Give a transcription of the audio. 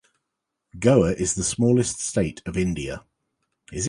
Goa is the smallest state of India.